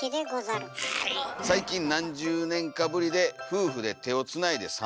「最近何十年かぶりで夫婦で手をつないで散歩しております」。